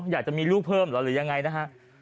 อยากจะมีลูกเพิ่มเหรอหรือยังไงนะฮะ